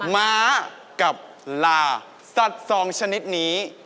ม้ากับลาสัตว์สองชนิดนี้